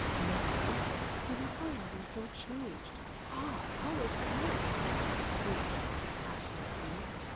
"Nothing? Then why are you so changed? Ah, how it hurts!" he whispered, passionately.